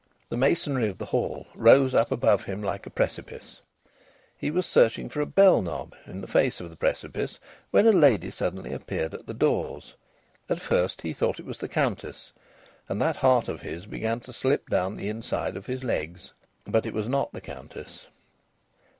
The masonry of the Hall rose up above him like a precipice. He was searching for the bell knob in the face of the precipice when a lady suddenly appeared at the doors. At first he thought it was the Countess, and that heart of his began to slip down the inside of his legs. But it was not the Countess.